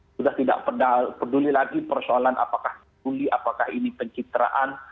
sudah tidak peduli lagi persoalan apakah ini pencitraan